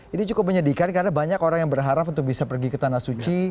ini cukup menyedihkan karena banyak orang yang berharap untuk bisa pergi ke tanah suci